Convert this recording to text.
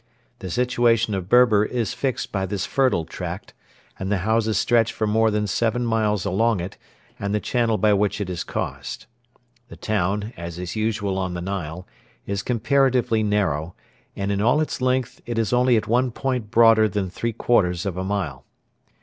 The situation of Berber is fixed by this fertile tract, and the houses stretch for more than seven miles along it and the channel by which it is caused. The town, as is usual on the Nile, is comparatively narrow, and in all its length it is only at one point broader than three quarters of a mile.